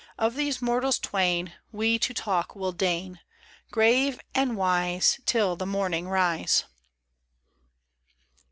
Of these mortals twain We to talk will deign, Grave and wise, Till the morning rise.